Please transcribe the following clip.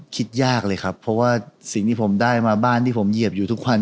คิดยากเลยครับเพราะว่าสิ่งที่ผมได้มาบ้านที่ผมเหยียบอยู่ทุกวัน